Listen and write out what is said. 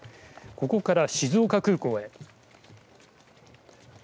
ここから静岡空港へ。